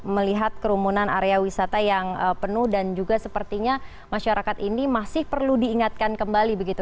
melihat kerumunan area wisata yang penuh dan juga sepertinya masyarakat ini masih perlu diingatkan kembali begitu